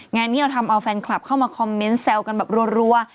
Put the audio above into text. งานนี้เราทำเอาแฟนคลับเข้ามาคอมเมนต์แซวกันแบบรัว